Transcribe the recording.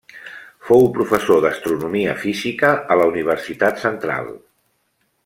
Fou professor d'Astronomia Física a la Universitat Central.